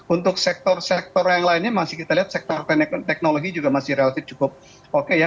untuk sektor sektor yang lainnya masih kita lihat sektor teknologi juga masih relatif cukup oke ya